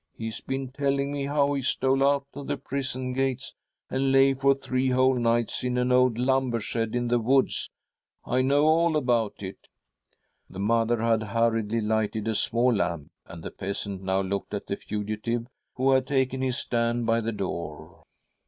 ' He has been telling me how he stole out of the prison gates and lay for three whole niglits in an old lumber shed in the woods. I know all about it !'" The mother had hurriedly lighted a small lamp, and the peasant now looked at the fugitive, who had taken his stand by the door.